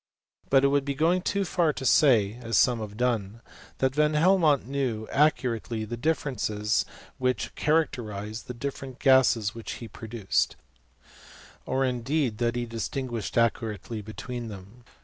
But it would be going too far to say, as some have done, that Van Helmont knew accurately the differences which cha racterize the different gases which he produced, or indeed that he distinguished accurately between them.